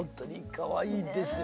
かわいいですよ